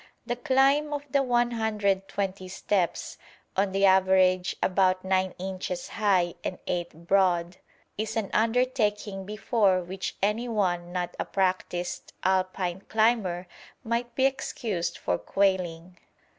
The climb of the 120 steps, on the average about 9 inches high and 8 broad, is an undertaking before which any one not a practised Alpine climber might be excused for quailing.